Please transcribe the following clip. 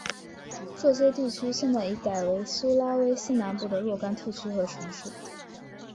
这些地区现在已改为苏拉威西南部的若干特区和城市。